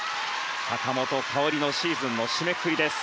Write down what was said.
坂本花織のシーズンの締めくくりです。